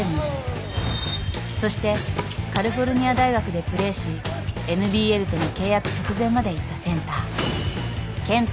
そしてカリフォルニア大学でプレーしＮＢＬとの契約直前までいったセンター。